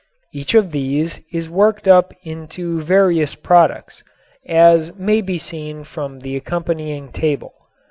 Each of these is worked up into various products, as may be seen from the accompanying table.